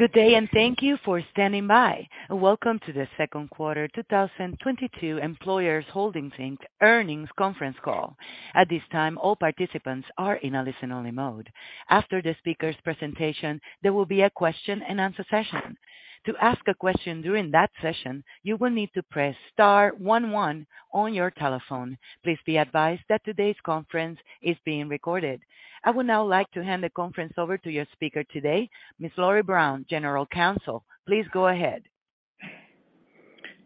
Good day, and thank you for standing by. Welcome to the second quarter 2022 Employers Holdings, Inc. earnings conference call. At this time, all participants are in a listen-only mode. After the speaker's presentation, there will be a question-and-answer session. To ask a question during that session, you will need to press star one one on your telephone. Please be advised that today's conference is being recorded. I would now like to hand the conference over to your speaker today, Ms. Lori Brown, General Counsel. Please go ahead.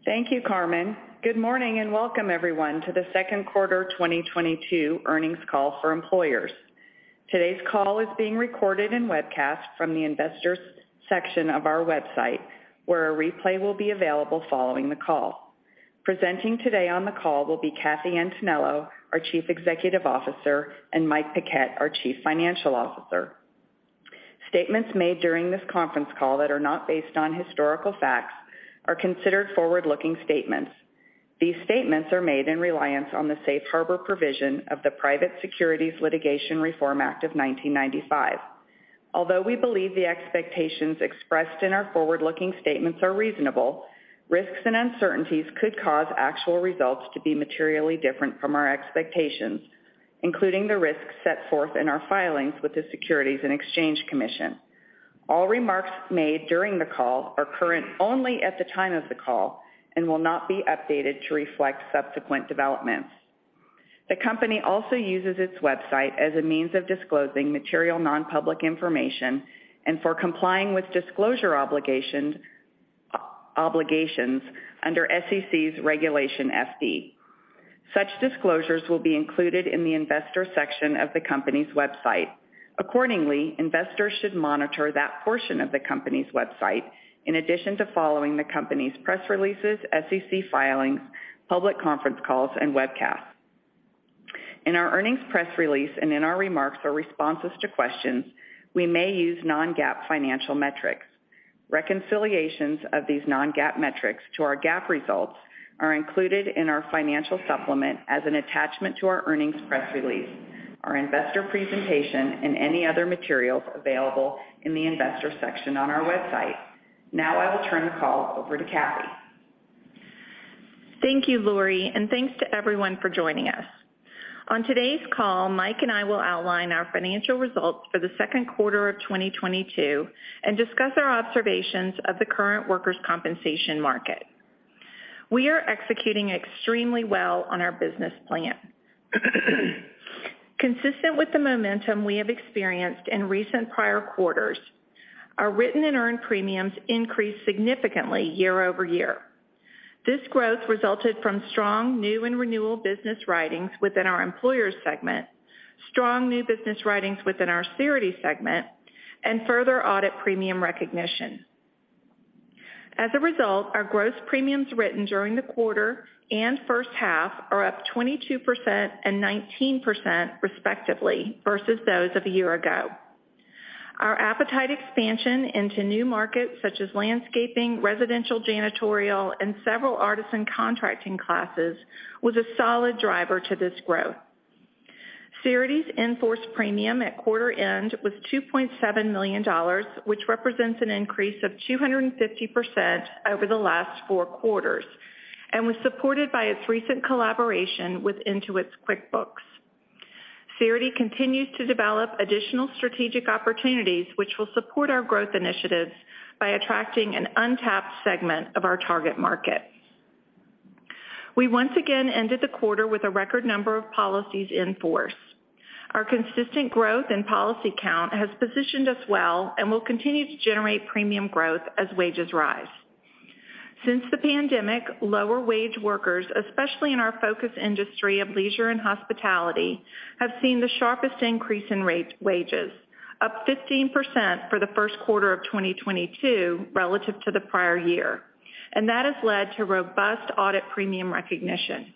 Thank you, Carmen. Good morning, and welcome everyone to the second quarter 2022 earnings call for Employers. Today's call is being recorded and webcast from the Investors section of our website, where a replay will be available following the call. Presenting today on the call will be Kathy Antonello, our Chief Executive Officer, and Mike Paquette, our Chief Financial Officer. Statements made during this conference call that are not based on historical facts are considered forward-looking statements. These statements are made in reliance on the Safe Harbor provision of the Private Securities Litigation Reform Act of 1995. Although we believe the expectations expressed in our forward-looking statements are reasonable, risks and uncertainties could cause actual results to be materially different from our expectations, including the risks set forth in our filings with the Securities and Exchange Commission. All remarks made during the call are current only at the time of the call and will not be updated to reflect subsequent developments. The company also uses its website as a means of disclosing material non-public information and for complying with disclosure obligations under SEC's Regulation FD. Such disclosures will be included in the Investor section of the company's website. Accordingly, investors should monitor that portion of the company's website in addition to following the company's press releases, SEC filings, public conference calls and webcasts. In our earnings press release and in our remarks or responses to questions, we may use non-GAAP financial metrics. Reconciliations of these non-GAAP metrics to our GAAP results are included in our financial supplement as an attachment to our earnings press release, our investor presentation, and any other materials available in the Investor section on our website. Now I will turn the call over to Kathy. Thank you, Lori, and thanks to everyone for joining us. On today's call, Mike and I will outline our financial results for the second quarter of 2022 and discuss our observations of the current workers' compensation market. We are executing extremely well on our business plan. Consistent with the momentum we have experienced in recent prior quarters, our written and earned premiums increased significantly year-over-year. This growth resulted from strong new and renewal business writings within our Employers segment, strong new business writings within our Cerity segment, and further audit premium recognition. As a result, our gross premiums written during the quarter and first half are up 22% and 19% respectively versus those of a year ago. Our appetite expansion into new markets such as landscaping, residential janitorial, and several artisan contracting classes was a solid driver to this growth. Cerity's in-force premium at quarter end was $2.7 million, which represents an increase of 250% over the last four quarters, and was supported by its recent collaboration with Intuit's QuickBooks. Cerity continues to develop additional strategic opportunities which will support our growth initiatives by attracting an untapped segment of our target market. We once again ended the quarter with a record number of policies in force. Our consistent growth in policy count has positioned us well and will continue to generate premium growth as wages rise. Since the pandemic, lower wage workers, especially in our focus industry of leisure and hospitality, have seen the sharpest increase in wages, up 15% for the first quarter of 2022 relative to the prior year, and that has led to robust audit premium recognition.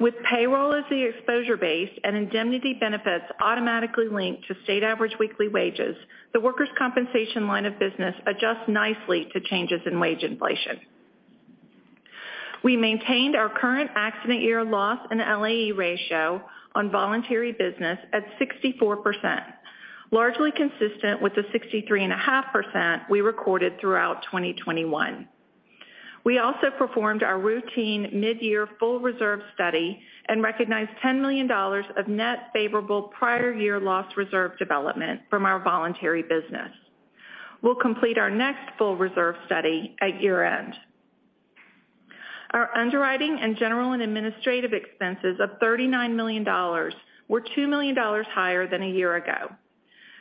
With payroll as the exposure base and indemnity benefits automatically linked to state average weekly wages, the workers' compensation line of business adjusts nicely to changes in wage inflation. We maintained our current accident year loss and LAE ratio on voluntary business at 64%, largely consistent with the 63.5% we recorded throughout 2021. We also performed our routine mid-year full reserve study and recognized $10 million of net favorable prior year loss reserve development from our voluntary business. We'll complete our next full reserve study at year-end. Our underwriting and general and administrative expenses of $39 million were $2 million higher than a year ago.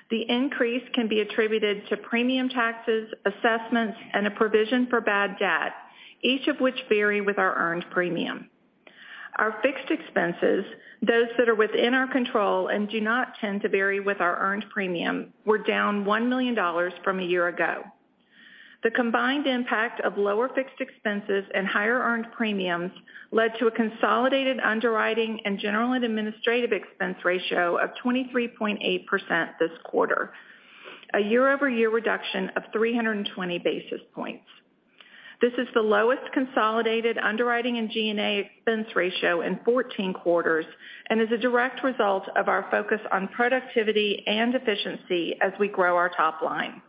The increase can be attributed to premium taxes, assessments, and a provision for bad debt, each of which vary with our earned premium. Our fixed expenses, those that are within our control and do not tend to vary with our earned premium, were down $1 million from a year ago. The combined impact of lower fixed expenses and higher earned premiums led to a consolidated underwriting and general and administrative expense ratio of 23.8% this quarter, a year-over-year reduction of 320 basis points. This is the lowest consolidated underwriting and G&A expense ratio in 14 quarters and is a direct result of our focus on productivity and efficiency as we grow our top line.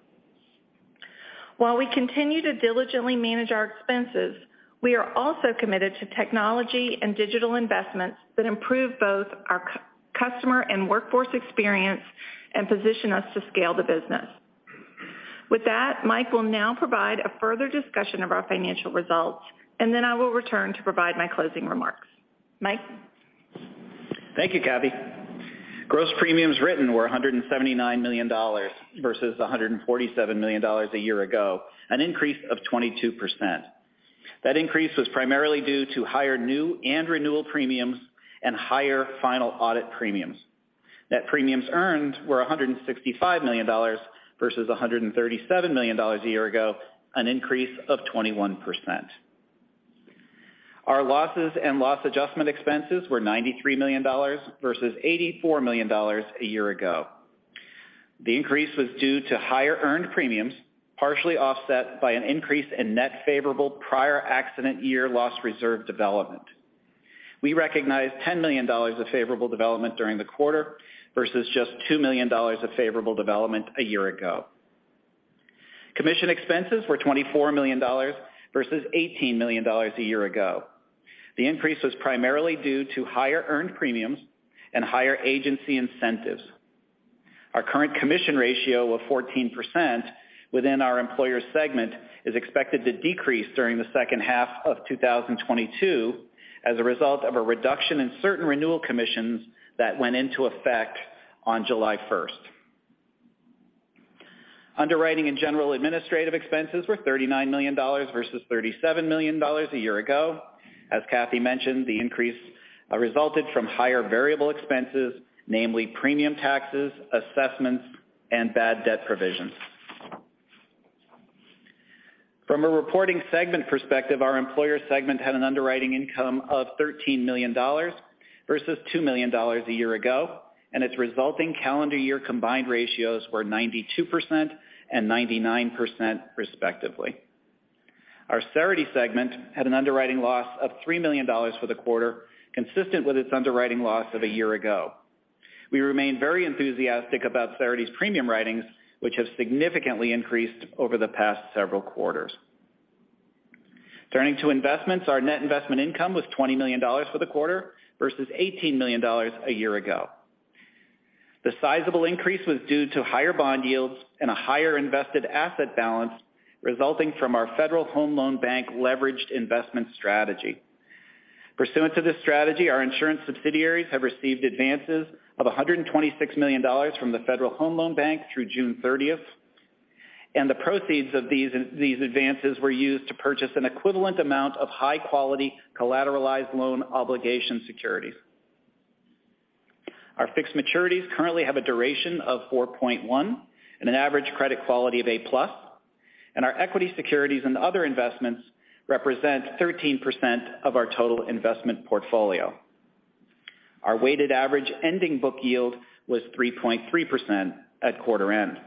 While we continue to diligently manage our expenses, we are also committed to technology and digital investments that improve both our customer and workforce experience and position us to scale the business. With that, Mike will now provide a further discussion of our financial results, and then I will return to provide my closing remarks. Mike? Thank you, Kathy. Gross premiums written were $179 million versus $147 million a year ago, an increase of 22%. That increase was primarily due to higher new and renewal premiums and higher final audit premiums. Net premiums earned were $165 million versus $137 million a year ago, an increase of 21%. Our losses and loss adjustment expenses were $93 million versus $84 million a year ago. The increase was due to higher earned premiums, partially offset by an increase in net favorable prior accident year loss reserve development. We recognized $10 million of favorable development during the quarter versus just $2 million of favorable development a year ago. Commission expenses were $24 million versus $18 million a year ago. The increase was primarily due to higher earned premiums and higher agency incentives. Our current commission ratio of 14% within our Employers segment is expected to decrease during the second half of 2022 as a result of a reduction in certain renewal commissions that went into effect on July 1st. Underwriting and general and administrative expenses were $39 million versus $37 million a year ago. As Kathy mentioned, the increase resulted from higher variable expenses, namely premium taxes, assessments, and bad debt provisions. From a reporting segment perspective, our Employers segment had an underwriting income of $13 million versus $2 million a year ago, and its resulting calendar year combined ratios were 92% and 99% respectively. Our Cerity segment had an underwriting loss of $3 million for the quarter, consistent with its underwriting loss of a year ago. We remain very enthusiastic about Cerity's premium writings, which have significantly increased over the past several quarters. Turning to investments, our net investment income was $20 million for the quarter versus $18 million a year ago. The sizable increase was due to higher bond yields and a higher invested asset balance resulting from our Federal Home Loan Bank leveraged investment strategy. Pursuant to this strategy, our insurance subsidiaries have received advances of $126 million from the Federal Home Loan Bank through June 30th, and the proceeds of these advances were used to purchase an equivalent amount of high-quality collateralized loan obligation securities. Our fixed maturities currently have a duration of 4.1 and an average credit quality of A+, and our equity securities and other investments represent 13% of our total investment portfolio. Our weighted average ending book yield was 3.3% at quarter end.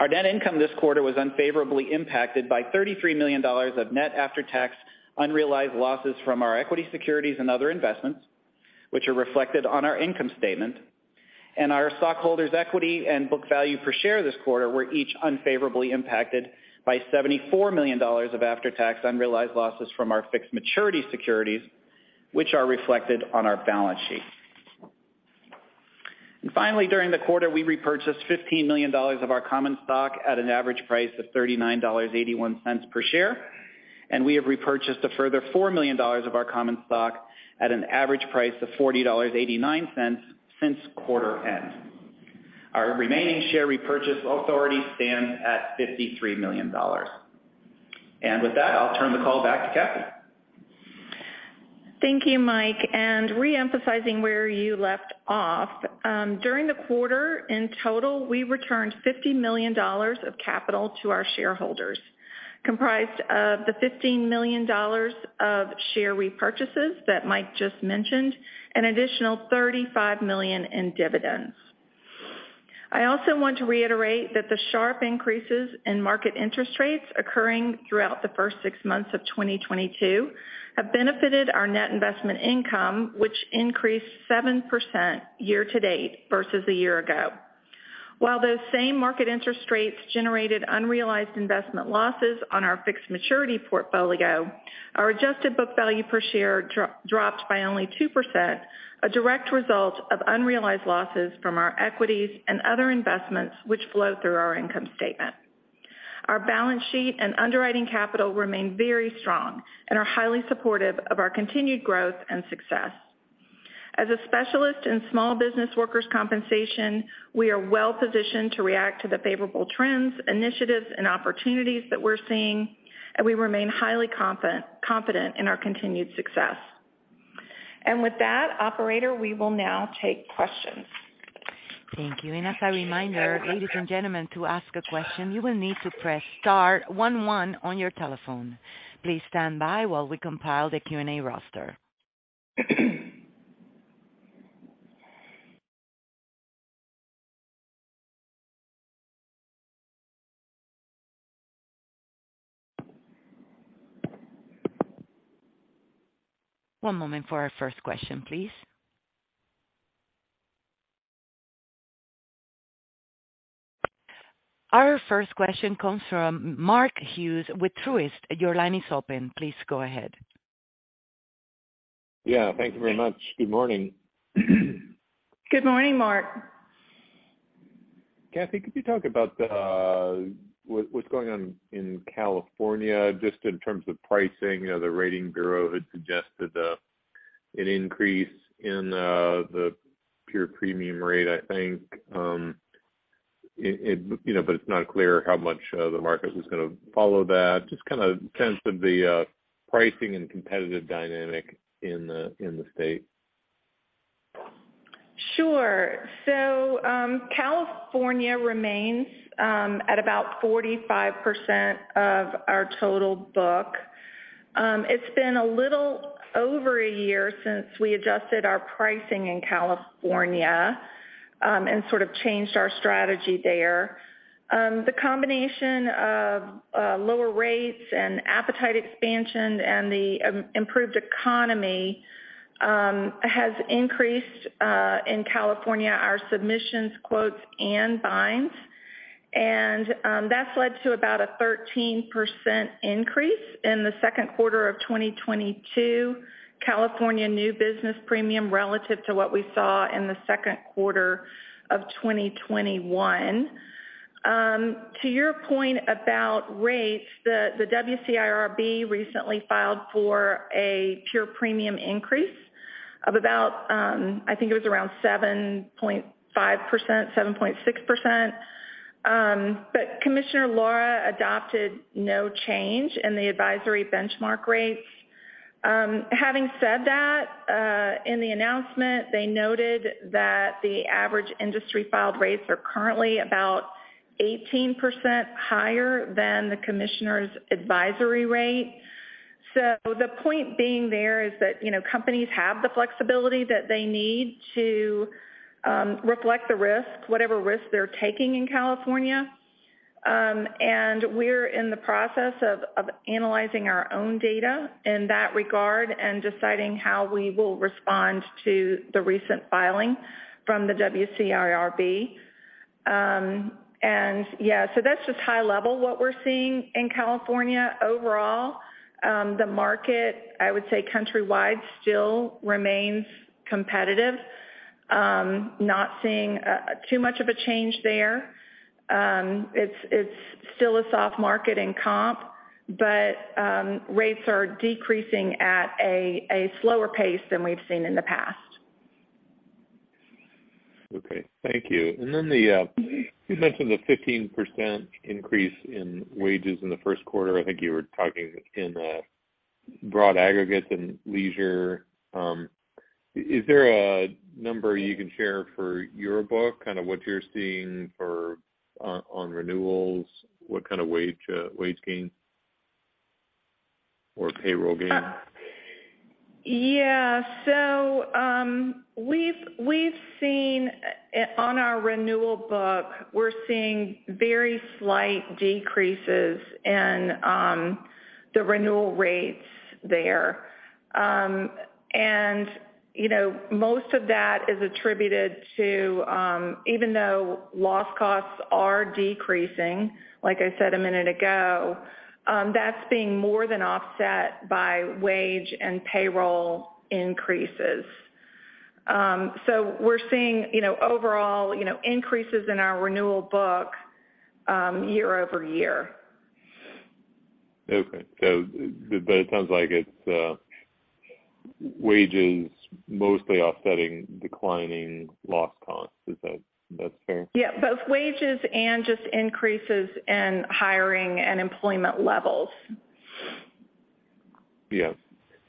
Our net income this quarter was unfavorably impacted by $33 million of net after-tax unrealized losses from our equity securities and other investments, which are reflected on our income statement. Our stockholders' equity and book value per share this quarter were each unfavorably impacted by $74 million of after-tax unrealized losses from our fixed maturity securities, which are reflected on our balance sheet. Finally, during the quarter, we repurchased $15 million of our common stock at an average price of $39.81 per share, and we have repurchased a further $4 million of our common stock at an average price of $40.89 since quarter end. Our remaining share repurchase authority stands at $53 million. With that, I'll turn the call back to Kathy. Thank you, Mike. Reemphasizing where you left off, during the quarter, in total, we returned $50 million of capital to our shareholders, comprised of the $15 million of share repurchases that Mike just mentioned, an additional $35 million in dividends. I also want to reiterate that the sharp increases in market interest rates occurring throughout the first six months of 2022 have benefited our net investment income, which increased 7% year-to-date versus a year ago. While those same market interest rates generated unrealized investment losses on our fixed maturity portfolio, our adjusted book value per share dropped by only 2%, a direct result of unrealized losses from our equities and other investments which flow through our income statement. Our balance sheet and underwriting capital remain very strong and are highly supportive of our continued growth and success. As a specialist in small business workers' compensation, we are well positioned to react to the favorable trends, initiatives, and opportunities that we're seeing, and we remain highly confident in our continued success. With that, operator, we will now take questions. Thank you. As a reminder, ladies and gentlemen, to ask a question, you will need to press star one one on your telephone. Please stand by while we compile the Q&A roster. One moment for our first question, please. Our first question comes from Mark Hughes with Truist. Your line is open. Please go ahead. Yeah. Thank you very much. Good morning. Good morning, Mark. Kathy, could you talk about what's going on in California just in terms of pricing? You know, the rating bureau had suggested an increase in the pure premium rate, I think. You know, but it's not clear how much the market was gonna follow that. Just kinda sense of the pricing and competitive dynamic in the state. Sure. California remains at about 45% of our total book. It's been a little over a year since we adjusted our pricing in California and sort of changed our strategy there. The combination of lower rates and appetite expansion and the improved economy has increased in California our submissions, quotes and binds. That's led to about a 13% increase in the second quarter of 2022, California new business premium relative to what we saw in the second quarter of 2021. To your point about rates, the WCIRB recently filed for a pure premium increase of about, I think it was around 7.5%, 7.6%. Commissioner Lara adopted no change in the advisory benchmark rates. Having said that, in the announcement, they noted that the average industry filed rates are currently about 18% higher than the Commissioner's advisory rate. The point being there is that, you know, companies have the flexibility that they need to reflect the risk, whatever risk they're taking in California. And we're in the process of analyzing our own data in that regard and deciding how we will respond to the recent filing from the WCIRB. Yeah, that's just high level what we're seeing in California overall. The market, I would say countrywide still remains competitive. Not seeing too much of a change there. It's still a soft market in comp, but rates are decreasing at a slower pace than we've seen in the past. Okay. Thank you. You mentioned the 15% increase in wages in the first quarter. I think you were talking in the broad aggregates and leisure. Is there a number you can share for your book, kind of what you're seeing for on renewals? What kind of wage gain or payroll gain? We've seen on our renewal book, we're seeing very slight decreases in the renewal rates there. You know, most of that is attributed to even though loss costs are decreasing, like I said a minute ago, that's being more than offset by wage and payroll increases. We're seeing you know, overall, you know, increases in our renewal book year-over-year. Okay. It sounds like it's wages mostly offsetting declining loss costs. Is that fair? Yeah. Both wages and just increases in hiring and employment levels. Yeah.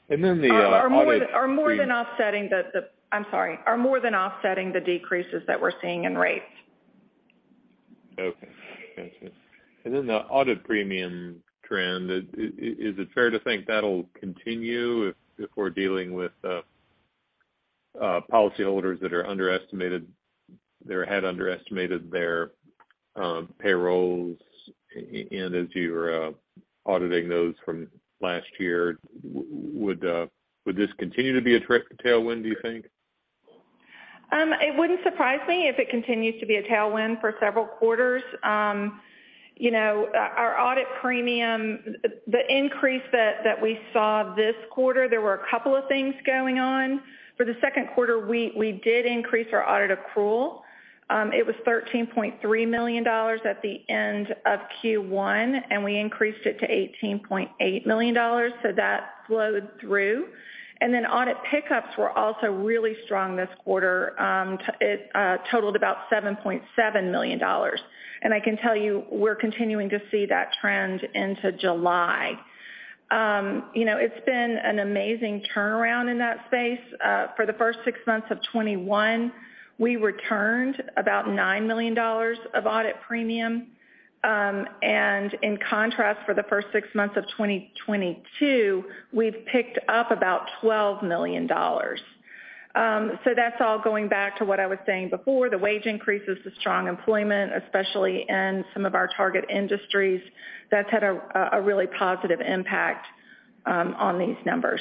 Then in the audit. I'm sorry. Are more than offsetting the decreases that we're seeing in rates. Okay. That's it. Then the audit premium trend, is it fair to think that'll continue if we're dealing with policyholders that are underestimated, they had underestimated their payrolls and as you're auditing those from last year, would this continue to be a tailwind, do you think? It wouldn't surprise me if it continues to be a tailwind for several quarters. You know, our audit premium, the increase that we saw this quarter, there were a couple of things going on. For the second quarter, we did increase our audit accrual. It was $13.3 million at the end of Q1, and we increased it to $18.8 million, so that flowed through. Audit pickups were also really strong this quarter. It totaled about $7.7 million. I can tell you, we're continuing to see that trend into July. You know, it's been an amazing turnaround in that space. For the first six months of 2021, we returned about $9 million of audited premium. And in contrast, for the first six months of 2022, we've picked up about $12 million. That's all going back to what I was saying before, the wage increases, the strong employment, especially in some of our target industries. That's had a really positive impact on these numbers.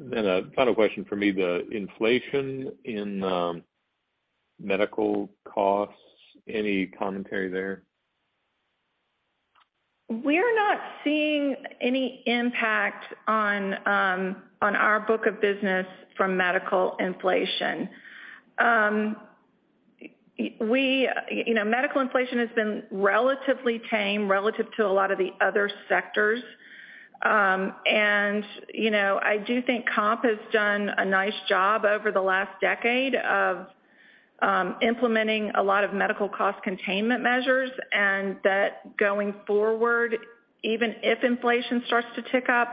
A final question for me. The inflation in medical costs, any commentary there? We're not seeing any impact on our book of business from medical inflation. We, you know, medical inflation has been relatively tame relative to a lot of the other sectors. You know, I do think Comp has done a nice job over the last decade of implementing a lot of medical cost containment measures, and that going forward, even if inflation starts to tick up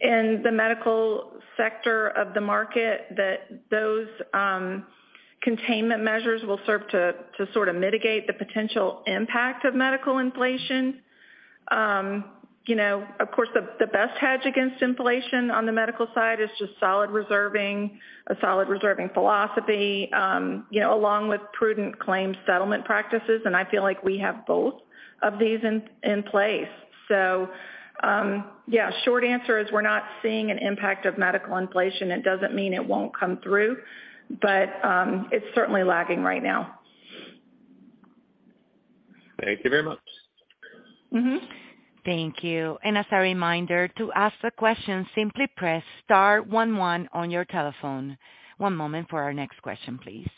in the medical sector of the market, that those containment measures will serve to sort of mitigate the potential impact of medical inflation. You know, of course, the best hedge against inflation on the medical side is just solid reserving, a solid reserving philosophy, along with prudent claim settlement practices, and I feel like we have both of these in place. So yeah, short answer is we're not seeing an impact of medical inflation. It doesn't mean it won't come through, but it's certainly lagging right now. Thank you very much. Mm-hmm. Thank you. As a reminder, to ask a question, simply press star one one on your telephone. One moment for our next question, please.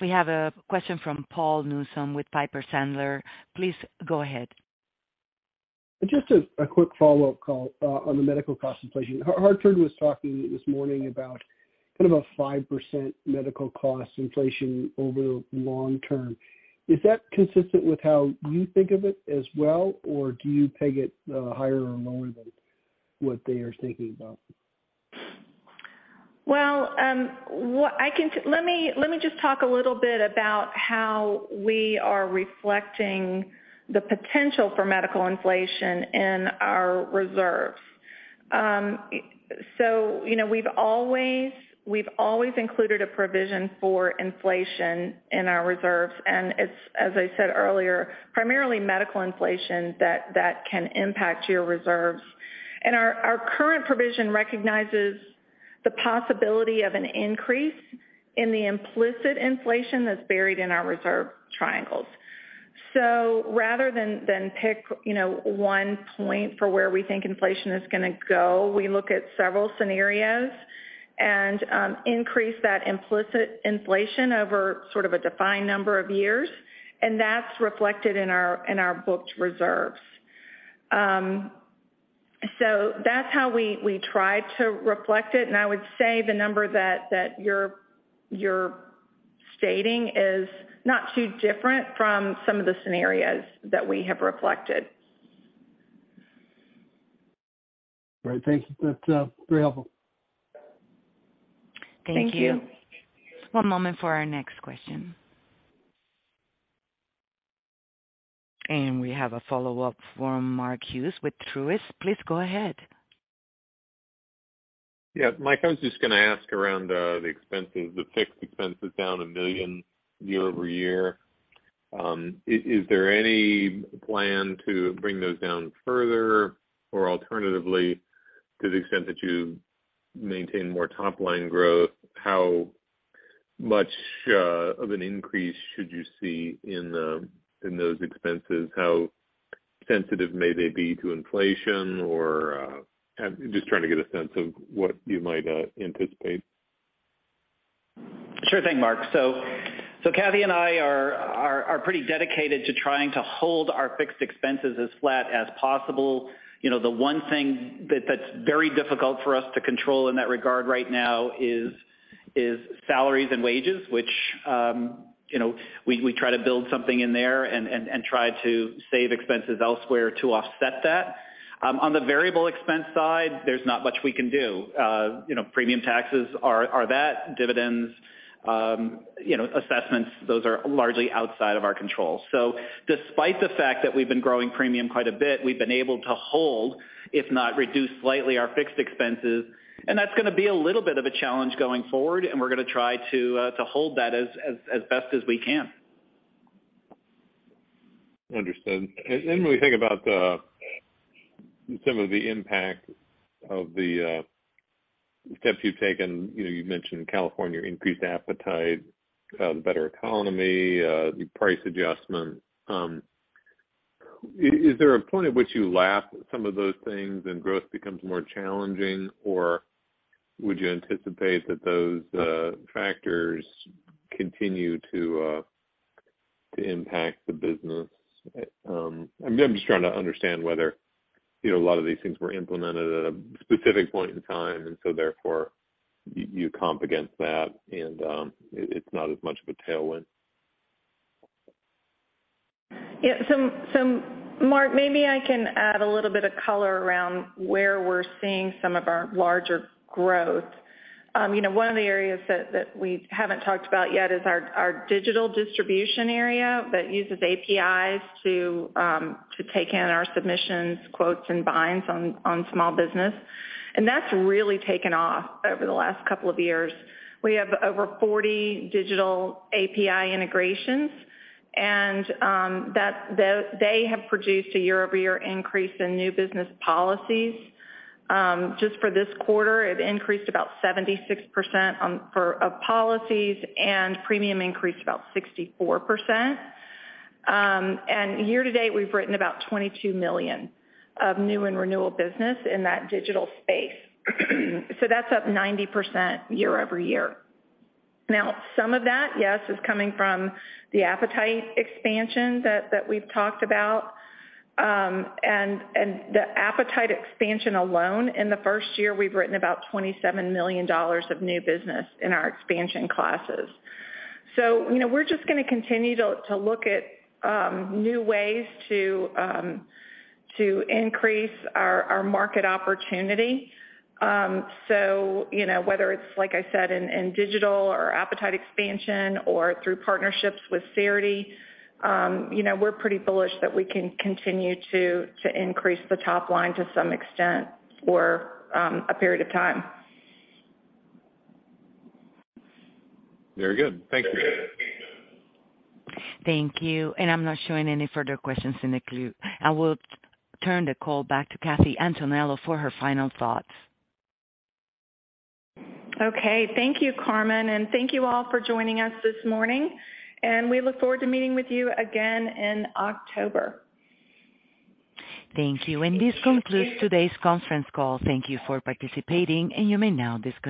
We have a question from Paul Newsome with Piper Sandler. Please go ahead. Just a quick follow-up call on the medical cost inflation. The Hartford was talking this morning about kind of a 5% medical cost inflation over long term. Is that consistent with how you think of it as well, or do you peg it higher or lower than what they are thinking about? Well, what I can— Let me just talk a little bit about how we are reflecting the potential for medical inflation in our reserves. You know, we've always included a provision for inflation in our reserves, and it's, as I said earlier, primarily medical inflation that can impact your reserves. Our current provision recognizes the possibility of an increase in the implicit inflation that's buried in our reserve triangles. Rather than pick, you know, one point for where we think inflation is gonna go, we look at several scenarios and increase that implicit inflation over sort of a defined number of years, and that's reflected in our booked reserves. That's how we try to reflect it, and I would say the number that you're stating is not too different from some of the scenarios that we have reflected. All right, thank you. That's very helpful. Thank you. Thank you. One moment for our next question. We have a follow-up from Mark Hughes with Truist. Please go ahead. Yeah, Mike, I was just gonna ask about the expenses, the fixed expenses down a million year-over-year. Is there any plan to bring those down further? Or alternatively, to the extent that you maintain more top-line growth, how much of an increase should you see in those expenses? How sensitive may they be to inflation or? Just trying to get a sense of what you might anticipate. Sure thing, Mark. Kathy and I are pretty dedicated to trying to hold our fixed expenses as flat as possible. You know, the one thing that's very difficult for us to control in that regard right now is salaries and wages, which, you know, we try to build something in there and try to save expenses elsewhere to offset that. On the variable expense side, there's not much we can do. You know, premium taxes are that. Dividends, you know, assessments, those are largely outside of our control. Despite the fact that we've been growing premium quite a bit, we've been able to hold, if not reduce slightly, our fixed expenses. That's gonna be a little bit of a challenge going forward, and we're gonna try to hold that as best as we can. Understood. When we think about some of the impact of the steps you've taken, you know, you've mentioned California, increased appetite, the better economy, the price adjustment. Is there a point at which you lap some of those things and growth becomes more challenging, or would you anticipate that those factors continue to impact the business? I'm just trying to understand whether, you know, a lot of these things were implemented at a specific point in time and so therefore you comp against that and it's not as much of a tailwind. Yeah. Mark, maybe I can add a little bit of color around where we're seeing some of our larger growth. You know, one of the areas that we haven't talked about yet is our digital distribution area that uses APIs to take in our submissions, quotes, and binds on small business. That's really taken off over the last couple of years. We have over 40 digital API integrations, and they have produced a year-over-year increase in new business policies. Just for this quarter, it increased about 76% for policies, and premium increased about 64%. Year-to-date, we've written about $22 million of new and renewal business in that digital space. That's up 90% year-over-year. Now, some of that, yes, is coming from the appetite expansion that we've talked about. The appetite expansion alone in the first year, we've written about $27 million of new business in our expansion classes. You know, we're just gonna continue to look at new ways to increase our market opportunity. You know, whether it's, like I said, in digital or appetite expansion or through partnerships with Cerity, you know, we're pretty bullish that we can continue to increase the top line to some extent for a period of time. Very good. Thank you. Thank you. I'm not showing any further questions in the queue. I will turn the call back to Kathy Antonello for her final thoughts. Okay. Thank you, Carmen, and thank you all for joining us this morning, and we look forward to meeting with you again in October. Thank you. This concludes today's conference call. Thank you for participating, and you may now disconnect.